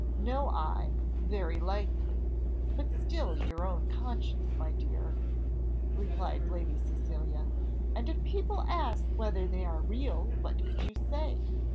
"No eye! very likely; but still your own conscience, my dear!" replied Lady Cecilia. "And if people ask whether they are real, what could you say?